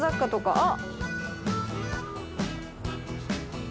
あっ。